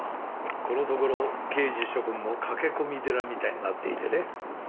このところ刑事諸君の駆け込み寺みたいになっていてね。